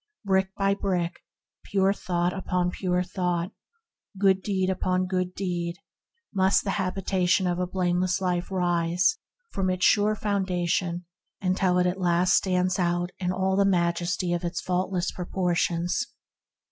Brick by brick, pure thought upon pure thought, good deed upon good deed, must the habitation of a blameless life rise from its sure founda tion until at last it stands out in all the majesty of its faultless proportions.